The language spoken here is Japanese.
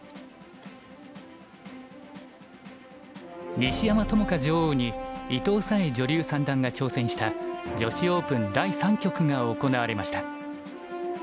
西山朋佳女王に伊藤沙恵女流三段が挑戦した女子オープン第３局が行われました。